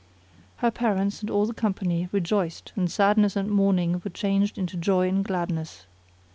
Her parents and all the company rejoiced and sadness and mourning were changed into joy and gladness.